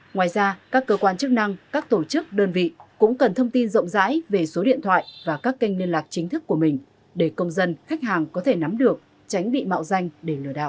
ngoài ra các cơ quan chức năng các tổ chức đơn vị cũng cần thông tin rộng rãi về số điện thoại và các kênh liên lạc chính thức của mình để công dân khách hàng có thể nắm được tránh bị mạo danh để lừa đảo